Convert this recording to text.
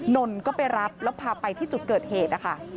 นนก็ไปรับแล้วพาไปที่จุดเกิดเหตุนะคะ